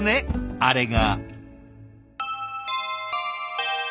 あれが。